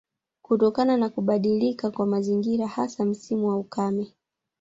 Kutokana na kubadilika kwa mazingira hasa msimu wa ukame